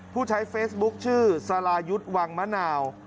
ผู้ใช้เฟซบุ๊คชื่อสรายุทธ์วังมะนาว